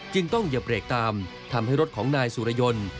จึงต้องเหยียบเรกตามทำให้รถของนายสุรยนต์